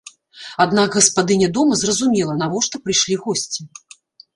Аднак гаспадыня дома зразумела, навошта прыйшлі госці.